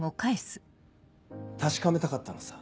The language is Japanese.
確かめたかったのさ。